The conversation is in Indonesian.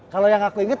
kalau yang aku inget